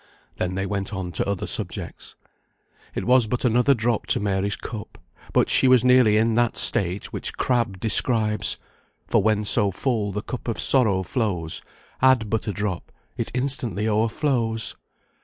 '" Then they went on to other subjects. It was but another drop to Mary's cup; but she was nearly in that state which Crabbe describes, "For when so full the cup of sorrows flows Add but a drop, it instantly o'erflows."